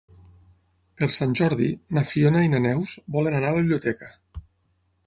Per Sant Jordi na Fiona i na Neus volen anar a la biblioteca.